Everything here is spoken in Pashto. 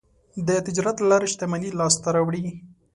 د تجارت له لارې شتمني لاسته راوړي.